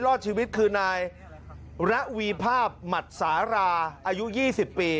รอดชีวิตคือนายระวีภาพหมัดสาราอายุ๒๐ปี